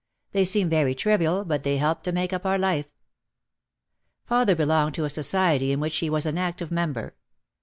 They seem very trivial but they helped to make up our life. Father belonged to a society in which he was an active member.